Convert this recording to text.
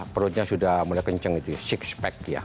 perutnya sudah mulai kenceng gitu six pack ya